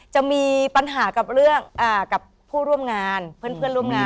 จะมีปัญหากับเรื่องกับผู้ร่วมงานเพื่อนร่วมงาน